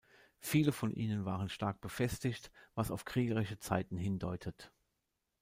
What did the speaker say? Viele von ihnen waren stark befestigt, was auf kriegerische Zeiten hindeutet.